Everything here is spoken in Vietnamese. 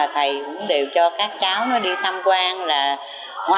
thầy cũng đều cho các cháu đi thăm quan